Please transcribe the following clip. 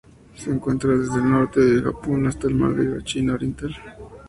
Se encuentra desde el norte del Japón hasta el Mar de la China Oriental.